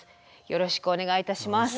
よろしくお願いします。